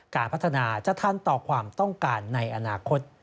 การพัฒนาจะทันต่อความต้องการในอนาคต